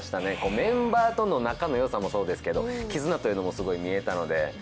メンバーとの仲のよさもそうですけど、絆というのもすごい見えたので。